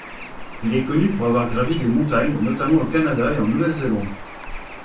Il est connu pour avoir gravi des montagnes, notamment au Canada et en Nouvelle-Zélande.